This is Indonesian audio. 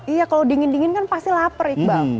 iya kalau dingin dingin kan pasti lapar iqbal